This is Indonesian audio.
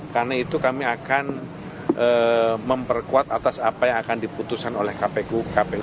karena itu kami akan memperkuat atas apa yang akan diputuskan oleh kpu